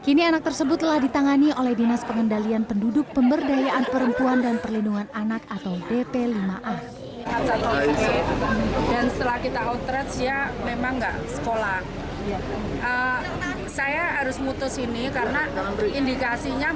kini anak tersebut telah ditangani oleh dinas pengendalian penduduk pemberdayaan perempuan dan perlindungan anak atau bp lima a